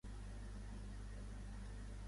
Un forat damunt d'una altra —hi torna la Rosina.